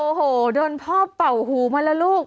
โอ้โหโดนพ่อเป่าหูมาแล้วลูก